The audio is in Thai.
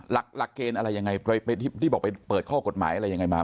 หลักเกณฑ์อะไรยังไงที่บอกไปเปิดข้อกฎหมายอะไรยังไงมา